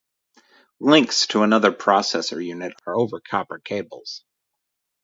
Links to another processor unit are over copper cables.